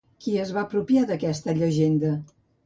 Qui es va apropiar d'aquesta llegenda?